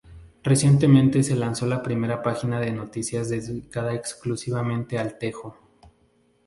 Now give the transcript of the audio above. Recientemente se lanzó la primera página de noticias dedicada exclusivamente al tejo.